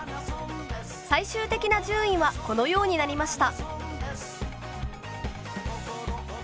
最終的な順位はこのようになりました。